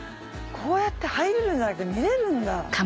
こうやって入れるんじゃなくて見れるんだ。